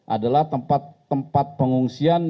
adalah tempat tempat pengungsian